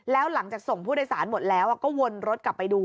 แล้วหลังจากส่งผู้โดยสารหมดแล้วก็วนรถกลับไปดู